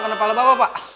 kena kepala bapak pak